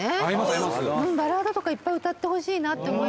バラードとかいっぱい歌ってほしいなって思いました。